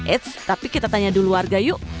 eits tapi kita tanya dulu warga yuk